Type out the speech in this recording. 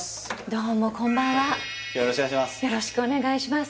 どうもこんばんはよろしくお願いします